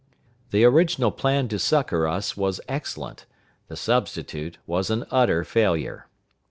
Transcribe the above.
The original plan to succor us was excellent: the substitute was an utter failure.